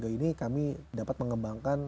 dua ribu dua puluh tiga ini kami dapat mengembangkan